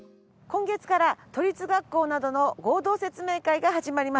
今月から都立学校などの合同説明会が始まります。